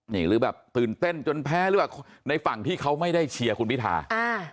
นี่หรือแบบตื่นเต้นจนแพ้หรือเปล่าในฝั่งที่เขาไม่ได้เชียร์คุณพิธาอ่า